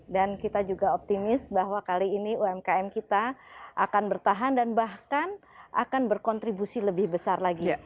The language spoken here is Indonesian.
dan kita juga optimis bahwa kali ini umkm kita akan bertahan dan bahkan akan berkontribusi lebih besar lagi